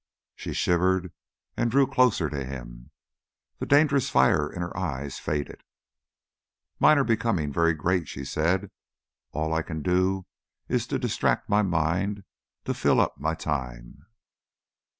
She shivered and drew closer to him. The dangerous fire in her eyes faded. "Mine are becoming very great," she said. "All I can do is to distract my mind, to fill up my time."